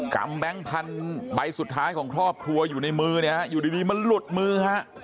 แบงค์พันธุ์ใบสุดท้ายของครอบครัวอยู่ในมือเนี่ยฮะอยู่ดีมันหลุดมือฮะ